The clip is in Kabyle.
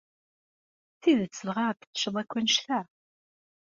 D tidet dɣa, ad teččeḍ akk annect-a?